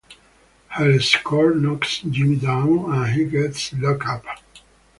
Her escort knocks Jimmy down and he gets locked up.